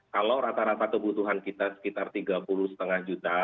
kalau rata rata kebutuhan kita sekitar tiga puluh lima juta